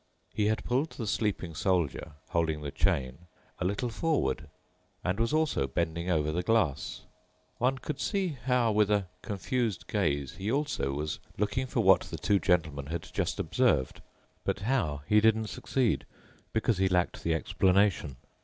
He had pulled the sleeping Soldier holding the chain a little forward and was also bending over the glass. One could see how with a confused gaze he also was looking for what the two gentlemen had just observed, but how he didn't succeed because he lacked the explanation.